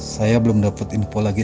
saya belum dapat info lagi